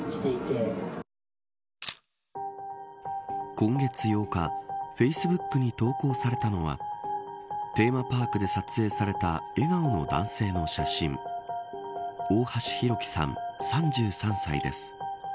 今月８日フェイスブックに投稿されたのはテーマパークで撮影された笑顔の男性の写真大橋弘輝さん３３歳です。